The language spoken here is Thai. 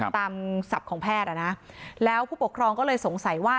ศัพท์ของแพทย์อ่ะนะแล้วผู้ปกครองก็เลยสงสัยว่า